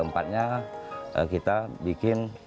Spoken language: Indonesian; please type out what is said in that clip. memilah dan membersihkan